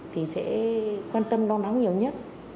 thì sẽ quan tâm đón bóng nhiều nhất